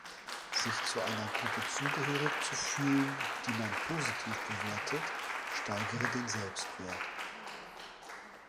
Sich zu einer Gruppe zugehörig zu fühlen, die man positiv bewertet, steigere den Selbstwert.